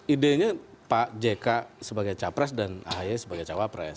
ide nya pak jk sebagai capres dan ahi sebagai capres